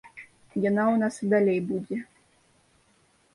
Яна ў нас і далей будзе.